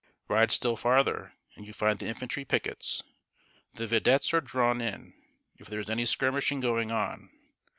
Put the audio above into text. Ride still farther, and you find the infantry pickets. The vedettes are drawn in, if there is any skirmishing going on.